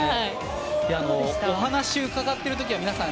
お話を伺っている時は皆さん